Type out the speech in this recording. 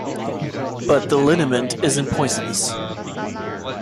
But the liniment isn’t poisonous.